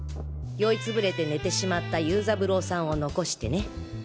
酔いつぶれて寝てしまった游三郎さんを残してね。